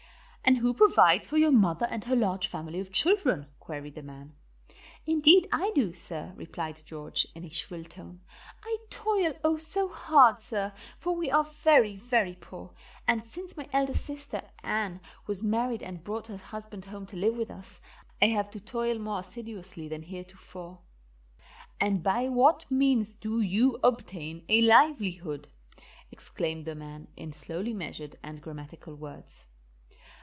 "And who provides for your mother and her large family of children?" queried the man. "Indeed, I do, sir," replied George, in a shrill tone. "I toil, oh, so hard, sir, for we are very, very poor, and since my elder sister, Ann, was married and brought her husband home to live with us I have to toil more assiduously than heretofore." "And by what means do you obtain a livelihood?" exclaimed the man, in slowly measured and grammatical words.